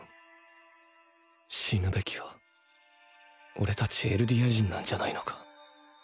死ぬべきはオレたちエルディア人なんじゃないのか？